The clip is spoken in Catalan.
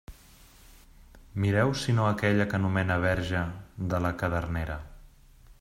Mireu si no aquella que anomena Verge de la cadernera.